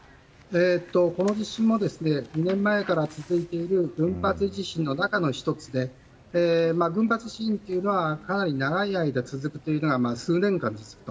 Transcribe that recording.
この地震は２年前から続いている群発地震の中の１つで群発地震というのは、かなり長い間続くのが数年間続くと。